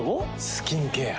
スキンケア。